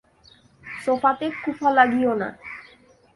সোফাতে কুফা লাগিও না।